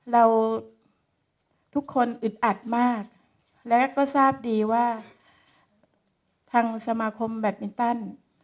เราทุกคนอึดอัดมากและก็ทราบดีว่าทางสมาคมแบตมินตัน